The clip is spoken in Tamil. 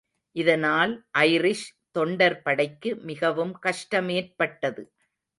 இதனால் ஐரிஷ் தொண்டர்படைக்கு மிகவும் கஷ்டமேற்பட்டது.